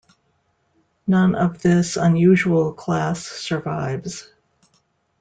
None of this unusual class survives.